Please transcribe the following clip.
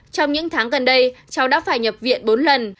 trong những tháng gần đây cháu đã phải nhập viện bốn lần